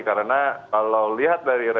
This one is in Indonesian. karena kalau lihat dari lainnya